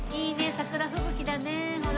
桜吹雪だねほら。